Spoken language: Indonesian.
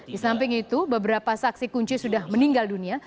di samping itu beberapa saksi kunci sudah meninggal dunia